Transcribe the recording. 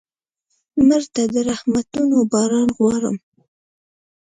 مړه ته د رحمتونو باران غواړو